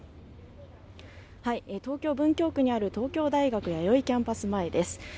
東京文京区にある東京大学弥生キャンパス前です